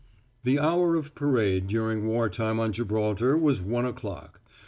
The hour of parade during war time on Gibraltar was one o'clock.